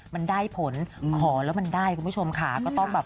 มันได้ผลขอแล้วได้คุณผู้ชมเขา